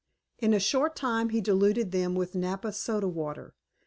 In a short time he diluted them with Napa Soda water.